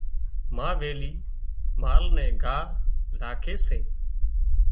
ما ويلِي مال نين ڳاهَ لاکي سي۔